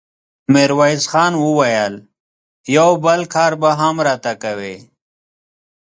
ميرويس خان وويل: يو بل کار به هم راته کوې!